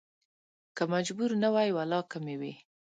که مجبور نه وى ولا کې مې